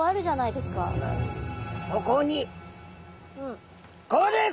そこに！